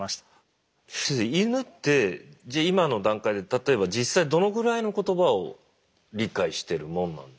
イヌってじゃ今の段階で例えば実際どのぐらいの言葉を理解してるもんなんですかね。